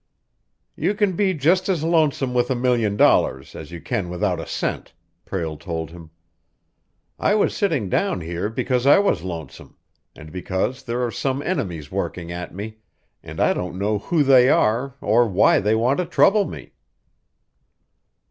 "You can be just as lonesome with a million dollars as you can without a cent," Prale told him. "I was sitting down here because I was lonesome, and because there are some enemies working at me, and I don't know who they are or why they want to trouble me."